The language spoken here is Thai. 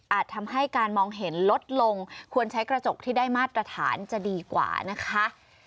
ทำให้การมองเห็นลดลงควรใช้กระจกที่ได้มาตรฐานจะดีกว่านะคะ